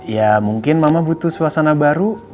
ya mungkin mama butuh suasana baru